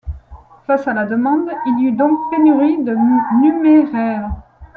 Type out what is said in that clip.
Face à la demande, il y eut donc pénurie de numéraire.